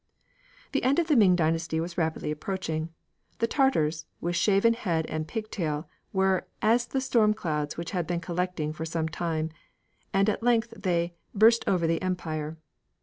The end of the Ming dynasty was rapidly approaching. The Tartars, with shaven head and pigtail, were "as the storm clouds which had been collecting for some time," and at length they "burst over the Empire."